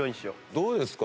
どうですか？